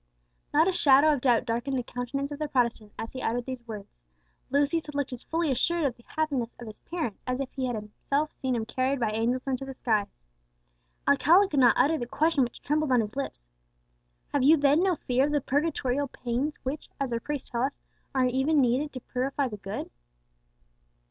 Not a shadow of doubt had darkened the countenance of the Protestant as he uttered these words; Lepine had looked as fully assured of the happiness of his parent as if he had himself seen him carried by angels into the skies. Alcala could not utter the question which trembled on his lips, "Have you then no fear of the purgatorial pains which, as our priests tell us, are needed to purify even the good?"